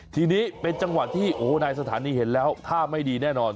ทีนี้เป็นจังหวะที่นายสถานีเห็นแล้วท่าไม่ดีแน่นอน